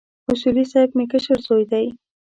اصولي صیب مې کشر زوی دی.